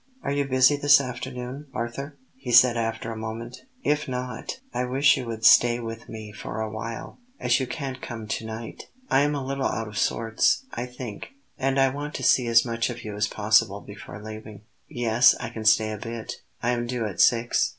"Are you busy this afternoon, Arthur?" he said after a moment. "If not, I wish you would stay with me for a while, as you can't come to night. I am a little out of sorts, I think; and I want to see as much of you as possible before leaving." "Yes, I can stay a bit. I am due at six."